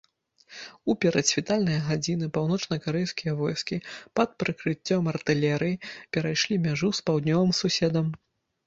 У перадсвітальныя гадзіны паўночнакарэйскія войскі пад прыкрыццём артылерыі перайшлі мяжу з паўднёвым суседам.